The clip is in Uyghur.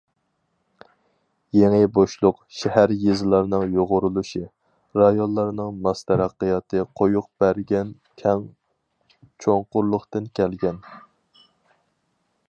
يېڭى بوشلۇق شەھەر- يېزىلارنىڭ يۇغۇرۇلۇشى، رايونلارنىڭ ماس تەرەققىياتى قويۇپ بەرگەن كەڭ چوڭقۇرلۇقتىن كەلگەن.